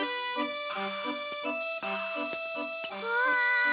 うわ！